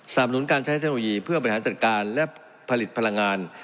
หนุนการใช้เทคโนโลยีเพื่อบริหารจัดการและผลิตพลังงาน